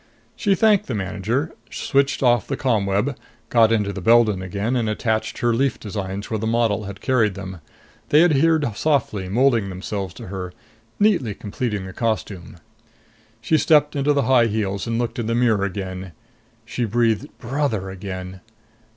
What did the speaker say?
She thanked the manager, switched off the ComWeb, got into the Beldon again and attached her leaf designs where the model had carried them. They adhered softly, molding themselves to her, neatly completing the costume. She stepped into the high heels and looked in the mirror again. She breathed "Brother!" again.